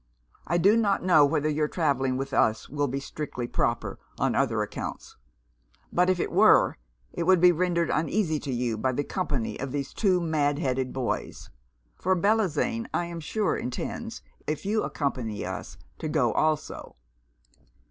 I do not know whether your travelling with us will be strictly proper, on other accounts; but if it were, it would be rendered uneasy to you by the company of these two mad headed boys; for Bellozane I am sure intends, if you accompany us, to go also.'